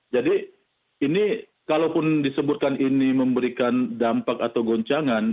jadi ini kalaupun disebutkan ini memberikan dampak atau goncangan